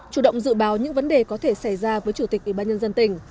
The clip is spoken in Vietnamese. chủ động dự báo những vấn đề có thể xảy ra với chủ tịch ủy ban nhân dân tỉnh